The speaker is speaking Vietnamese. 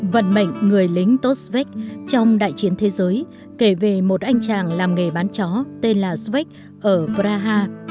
vận mệnh người lính tốt svek trong đại chiến thế giới kể về một anh chàng làm nghề bán chó tên là svek ở braha